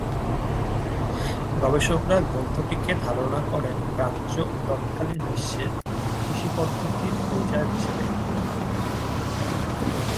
গবেষকরা গ্রন্থটিকে ধারণা করেন প্রাচ্য ও তৎকালীন বিশ্বের কৃষি পদ্ধতির পরিচায়ক হিসেবে।